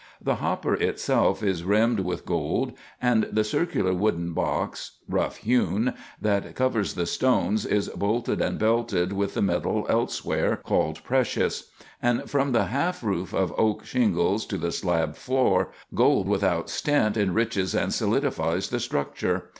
The hopper itself is rimmed with gold, and the circular wooden box, rough hewn, that covers the stones is bolted and belted with the metal elsewhere called precious; and from the half roof of oak shingles to the slab floor, gold without stint enriches and solidifies the structure.